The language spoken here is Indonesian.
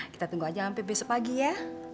kita tunggu aja hampir besok pagi ya